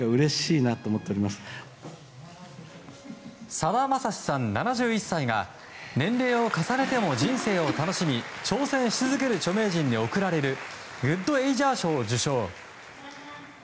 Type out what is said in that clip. さだまさしさん、７１歳が年齢を重ねても人生を楽しみ挑戦し続ける著名人に贈られるグッドエイジャー賞を受賞。